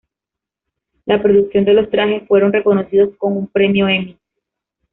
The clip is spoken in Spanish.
La producción de los trajes fueron reconocidos con un Premio Emmy.